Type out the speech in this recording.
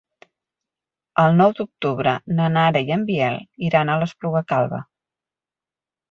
El nou d'octubre na Nara i en Biel iran a l'Espluga Calba.